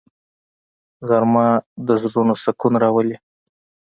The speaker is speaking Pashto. غرمه د زړونو سکون راولي